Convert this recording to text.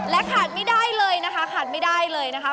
ขาดไม่ได้เลยนะคะขาดไม่ได้เลยนะคะ